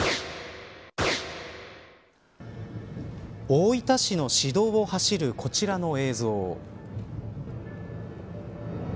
大分市の市道を走るこちらの映像。